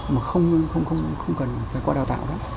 mà không cần phải qua đào tạo đó